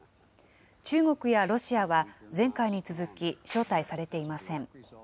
中国やロシアは、前回に続き招待されていません。